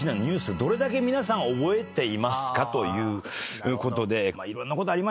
どれだけ皆さん覚えていますかということで。